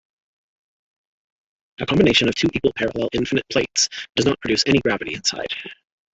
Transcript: A combination of two equal parallel infinite plates does not produce any gravity inside.